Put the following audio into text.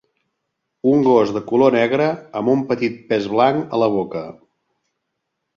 Un gos de color negre amb un petit pes blanc a la boca.